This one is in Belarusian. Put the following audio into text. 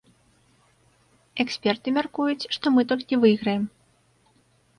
Эксперты мяркуюць, што мы толькі выйграем.